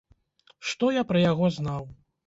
Што я пра яго знаў?